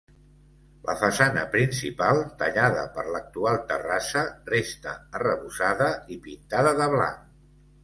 La façana principal, tallada per l'actual terrassa, resta arrebossada i pintada de blanc.